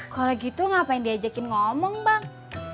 kalau gitu ngapain diajakin ngomong bang